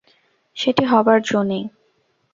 সেটি হবার জো নেই।